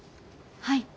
はい。